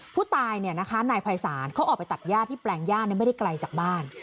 ผู้ตายนายภัยศาลเขาออกไปตัดย่าที่แปลงย่าไม่ได้ไกลจากบ้าน